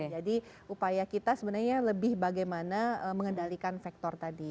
jadi upaya kita sebenarnya lebih bagaimana mengendalikan vektor tadi